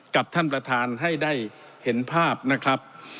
กับท่านประธานให้ได้เห็นภาพนะครับ